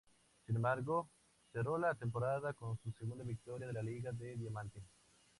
Sin embargo, cerró la temporada con su segunda victoria en la Liga de Diamante.